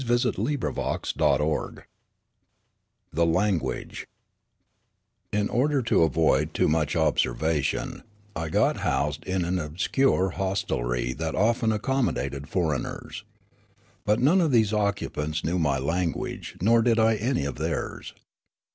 • v' %■ 7 :"r S;^^^li>;:;^ CHAPTER IV THE LANGUAGE IN order to avoid too much observation, I got housed in an obscure hostelry that often accommodated foreigners. But none of the occupants knew my lan guage, nor did I any of theirs.